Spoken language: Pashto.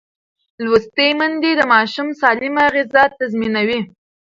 لوستې میندې د ماشوم سالمه غذا تضمینوي.